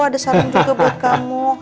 ada saran juga buat kamu